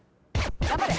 頑張れ。